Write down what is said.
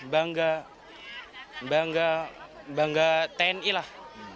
bangga bangga bangga tni lah